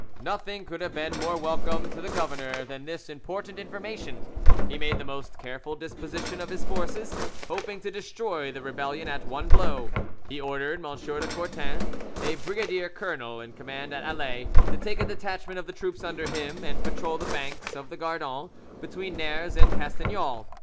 Nothing could have been more welcome to the governor than this important information: he made the most careful disposition of his forces, hoping to destroy the rebellion at one blow. He ordered M. de Courten, a brigadier colonel in command at Alais, to take a detachment of the troops under him and patrol the banks of the Gardon between Ners and Castagnols.